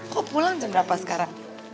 kok pulang jam berapa sekarang